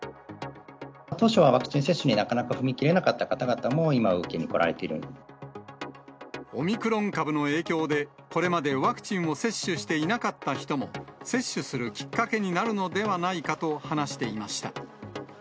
当初はワクチン接種になかなか踏み切れなかった方々も、今、オミクロン株の影響で、これまでワクチンを接種していなかった人も、接種するきっかけになるのではないかと話していました。